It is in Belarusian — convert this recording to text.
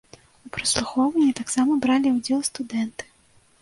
У праслухоўванні таксама бралі ўдзел студэнты.